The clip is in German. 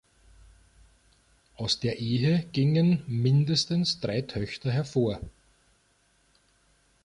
Aus der Ehe gingen (mindestens) drei Töchter hervor.